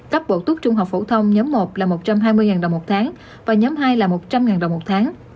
cấp bộ tốt trung học phổ thông nhóm một là một trăm hai mươi đồng một tháng và nhóm hai là một trăm linh đồng một tháng